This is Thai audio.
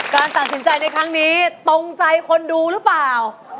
การตัดสินใจในครั้งนี้ตรงใจคนดูหรือเปล่า